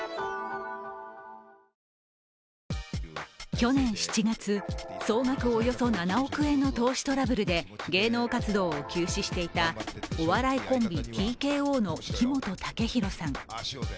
去年７月、総額およそ７億円の投資トラブルで芸能活動を休止していたお笑いコンビ・ＴＫＯの木本武宏さん。